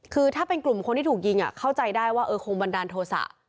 คือถ้าเป็นกลุ่มคนที่ถูกยิงเข้าใจได้ว่าเออคงบันดาลโทษะ